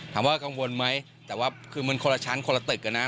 ถามว่ากังวลไหมแต่ว่ามันคนละชั้นคนละตึกนะ